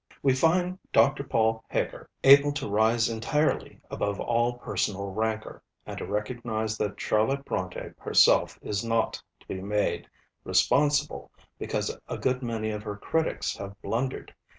_ We find Dr. Paul Heger able to rise entirely above all personal rancour, and to recognise that Charlotte Brontë herself is not to be made responsible because a good many of her critics have blundered.